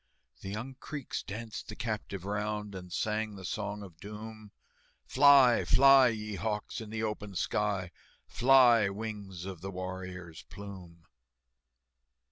The young Creeks danced the captive round, And sang the Song of Doom, "Fly, fly, ye hawks, in the open sky, Fly, wings of the warrior's plume!"